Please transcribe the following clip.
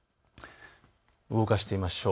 動かしてみましょう。